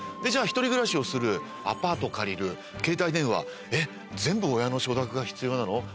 じゃあひとり暮らしをするアパートを借りる携帯電話えっ全部親の承諾が必要なの？